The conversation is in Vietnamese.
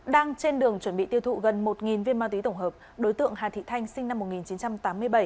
đang trên đường chuẩn bị tiêu thụ gần một viên ma túy tổng hợp đối tượng hà thị thanh sinh năm một nghìn chín trăm tám mươi bảy